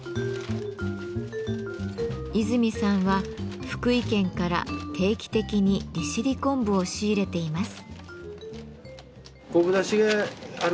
泉さんは福井県から定期的に利尻昆布を仕入れています。